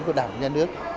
của đảng nhà nước